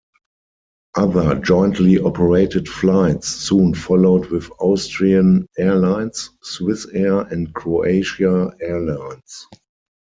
Other jointly operated flights soon followed with Austrian Airlines, Swissair, and Croatia Airlines.